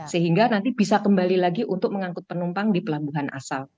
sehingga nanti bisa kembali lagi untuk mengangkut penumpang di pelabuhan asal